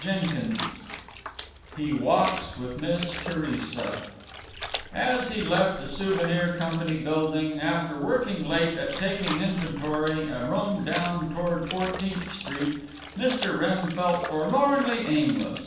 CHAPTER II HE WALKS WITH MISS THERESA As he left the Souvenir Company building after working late at taking inventory and roamed down toward Fourteenth Street, Mr. Wrenn felt forlornly aimless.